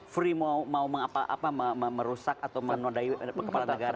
free mau merusak atau menodai kepala negara